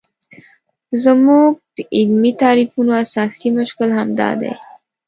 زموږ د علمي تعریفونو اساسي مشکل همدا دی.